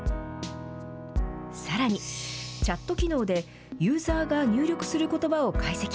さらに、チャット機能でユーザーが入力することばを解析。